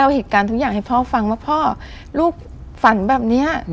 เหตุการณ์ทุกอย่างให้พ่อฟังว่าพ่อลูกฝันแบบนี้